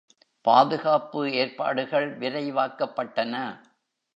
பாதுகாப்பு ஏற்பாடுகள் விரைவாக்கப்பட்டன.